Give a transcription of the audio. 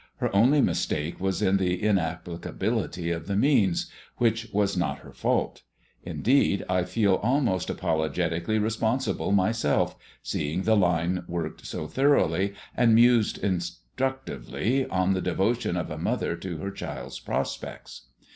Her only mistake was in the inapplicability of the means, which was not her fault. Indeed, I feel almost apologetically responsible myself, seeing the line worked so thoroughly, and mused instructively on the devotion of a mother to her child's prospects.